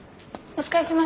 お疲れさま。